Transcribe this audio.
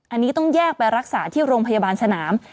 อันนี้ต้องแยกไปรักษาที่โรงพยาบาลสนาม